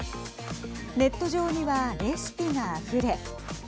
ネット上には、レシピがあふれ。